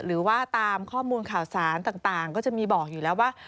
หรือว่าตามข้อมูลข่าวสารต่างก็จะมีบอกอยู่แล้วว่า